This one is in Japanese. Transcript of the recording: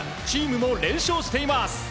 チームも連勝しています。